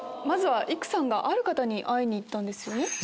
まずは育さんがある方に会いに行ったんですよね。